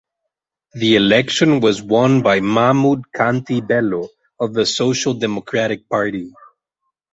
The election was won by Mahmud Kanti Bello of the Social Democratic Party.